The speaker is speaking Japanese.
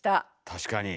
確かに。